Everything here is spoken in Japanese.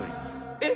えっ？